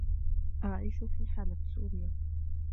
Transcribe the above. أعيش في حلب، سوريا.